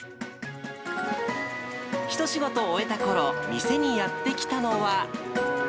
一仕事終えたころ、店にやって来たのは。